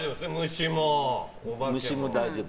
虫も大丈夫。